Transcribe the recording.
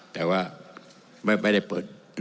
แต่ว่าไม่ได้เปิด